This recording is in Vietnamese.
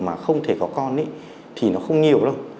mà không thể có con thì nó không nhiều đâu